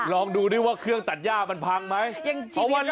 ลองดูดิว่าเครื่องตัดย่ามันพังไหม